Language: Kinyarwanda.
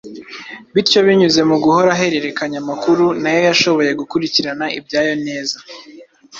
bityo binyuze mu guhora ahererekanya amakuru na yo yashoboye gukurikirana ibyayo neza.